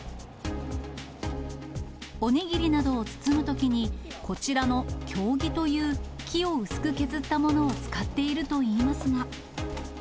お握りなどを包むときに、こちらの経木という木を薄く削ったものを使っているといいますが。